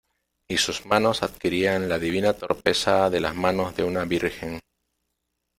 y sus manos adquirían la divina torpeza de las manos de una virgen.